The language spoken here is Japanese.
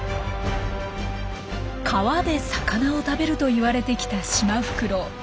川で魚を食べるといわれてきたシマフクロウ。